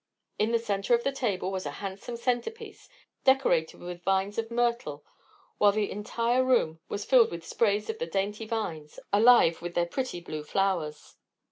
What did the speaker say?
In the center of the table was a handsome centerpiece decorated with vines of myrtle, while the entire room was filled with sprays of the dainty vines, alive with their pretty blue flowers.